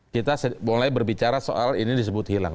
kita mulai berbicara soal ini disebut hilang